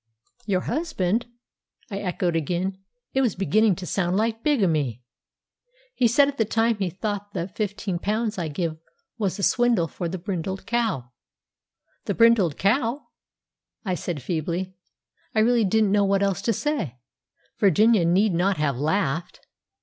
"Your husband?" I echoed again. It was beginning to sound like bigamy! "He said at the time he thought the £15 I give was a swindle for the brindled cow." "The brindled cow?" I said feebly. I really didn't know what else to say. Virginia need not have laughed!